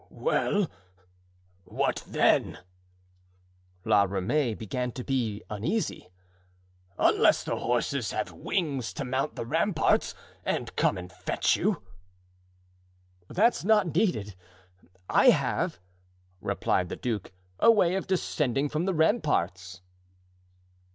"Well, what then?" La Ramee began to be uneasy; "unless the horses have wings to mount the ramparts and come and fetch you." "That's not needed. I have," replied the duke, "a way of descending from the ramparts."